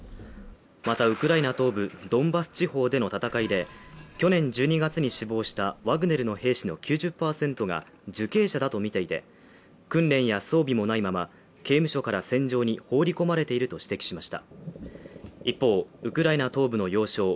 またウクライナ東部ドンバス地方での戦いで去年１２月に死亡したワグネルの兵士の９０％が受刑者だとみていて訓練や装備もないまま刑務所から戦場に放り込まれていると指摘しました。